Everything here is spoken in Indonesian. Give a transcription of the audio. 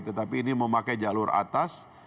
tetapi ini memakai jalur atas